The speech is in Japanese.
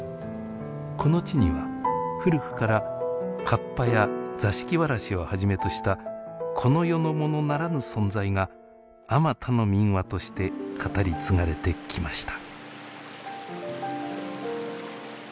この地には古くからカッパや座敷わらしをはじめとしたこの世のものならぬ存在があまたの民話として語り継がれてきました。